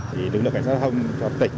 lực lượng cảnh sát giao thông cho tỉnh